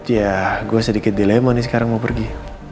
ya gue sedikit dilema nih sekarang mau pergi